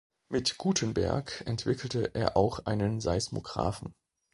Mit Gutenberg entwickelte er auch einen Seismographen.